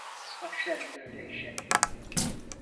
Başlarım böyle işe!